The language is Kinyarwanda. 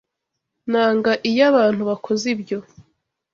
Nanga iyo abantu bakoze ibyo.